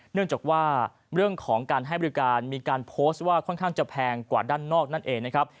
เนื่องจากว่าเรื่องของการให้บริการมีการโพสต์ว่าค่อนข้างจะแพงกว่าด้านนอกนั่นเองนะครับ